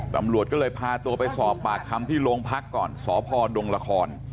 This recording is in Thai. ตำรวจก็เลยพาตัวไปสอบปากคำที่โรงพักก่อนสพดงละคร